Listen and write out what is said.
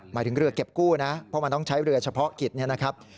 หมายถึงเรือเก็บกู้นะเพราะมันต้องใช้เรือเฉพาะกิจเนี่ยนะครับ